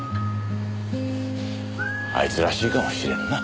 あいつらしいかもしれんな。